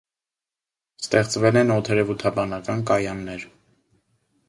Ստեղծվել են օդերևութաբանական կայաններ։